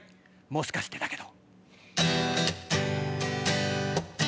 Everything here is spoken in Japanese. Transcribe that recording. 『もしかしてだけど』。